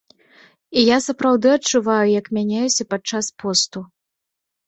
І я сапраўды адчуваю, як мяняюся падчас посту.